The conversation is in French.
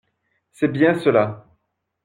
C’est bien cela.